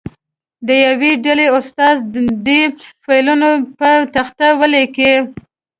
د یوې ډلې استازی دې فعلونه په تخته ولیکي.